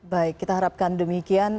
baik kita harapkan demikian